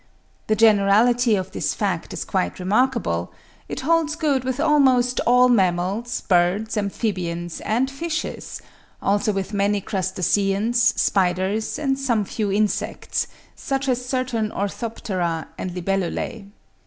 The generality of this fact is quite remarkable: it holds good with almost all mammals, birds, amphibians, and fishes; also with many crustaceans, spiders, and some few insects, such as certain orthoptera and libellulae.